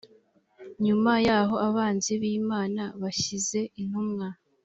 nyuma y aho abanzi b imana bashyize intumwa